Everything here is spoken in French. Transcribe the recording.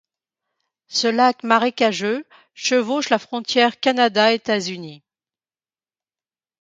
Ce lac marécageux chevauche la frontière Canada-États-Unis.